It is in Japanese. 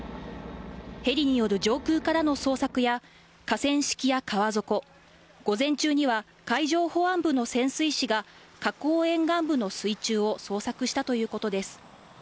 ヘリによる上空からの捜索や河川敷や川底午前中には海上保安部の潜水士が河口沿岸部の水中を捜索したということです。